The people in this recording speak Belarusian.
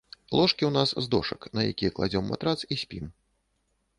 Ложкі ў нас з дошак, на якія кладзём матрац і спім.